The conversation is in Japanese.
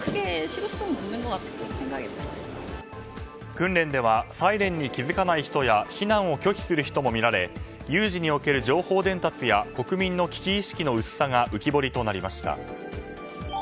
訓練ではサイレンに気づかない人や避難を拒否する人も見られ有事における情報伝達や国民の危機意識の薄さが浮き彫りとなりました。